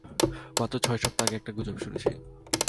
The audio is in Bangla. মাত্র ছয় সপ্তাহ আগে একটা গুজব শুনেছি।